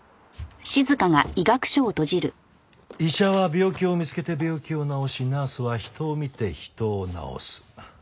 医者は病気を見つけて病気を治しナースは人を見て人を治す。